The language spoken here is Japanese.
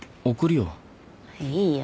いいよ。